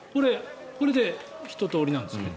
これでひととおりなんですね。